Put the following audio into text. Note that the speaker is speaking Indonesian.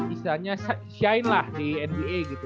istilahnya shine lah di nba gitu